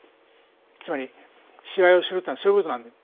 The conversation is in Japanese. つまり、芝居をするっていうのはそういうことなんだよ。